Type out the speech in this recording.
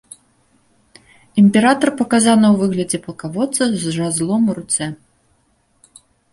Імператар паказаны ў выглядзе палкаводца з жазлом у руцэ.